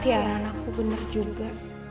tiara anakku bener juga